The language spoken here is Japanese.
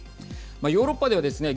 ヨーロッパではですね